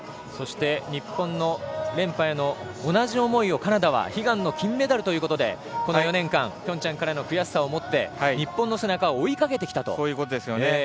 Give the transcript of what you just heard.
そして日本の連覇への同じ思いをカナダは悲願の金メダルということでこの４年間平昌からの悔しさを持って日本の背中を追いかけてきて。